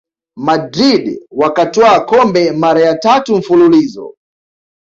madrid wakatwaa kombe mara ya tatu mfululizo